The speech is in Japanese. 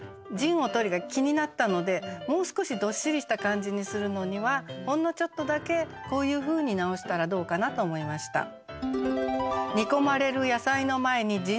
「陣を取り」が気になったのでもう少しどっしりした感じにするのにはほんのちょっとだけこういうふうに直したらどうかなと思いました。